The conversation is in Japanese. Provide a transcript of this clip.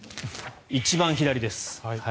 一番左です。